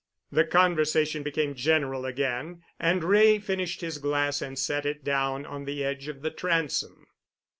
The conversation became general again, and Wray finished his glass and set it down on the edge of the transom.